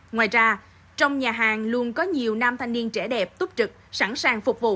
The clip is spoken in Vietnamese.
ngoài ra trong nhà hàng luôn có nhiều nam thanh niên trẻ đẹp túc trực sẵn sàng phục vụ